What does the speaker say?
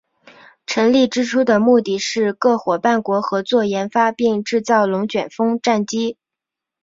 成立之初的目的是各夥伴国合作研发并制造龙卷风战机。